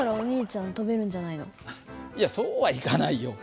いやそうはいかないよ。